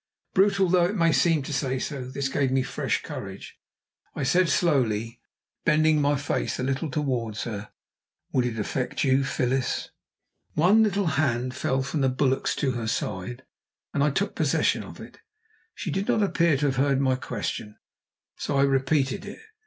Brutal though it may seem to say so, this gave me fresh courage. I said slowly, bending my face a little towards her: "Would it affect you, Phyllis?" One little hand fell from the bulwarks to her side, and I took possession of it. She did not appear to have heard my question, so I repeated it.